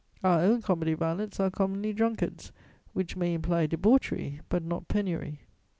Our own comedy valets are commonly drunkards, which may imply debauchery, but not penury."